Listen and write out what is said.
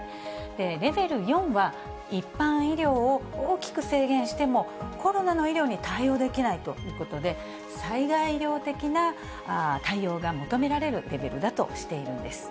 レベル４は、一般医療を大きく制限しても、コロナの医療に対応できないということで、災害医療的な対応が求められるレベルだとしているんです。